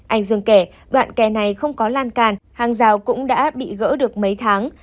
anh dương kể đoạn kè này không có lan can hàng rào cũng đã bị gỡ được mấy tháng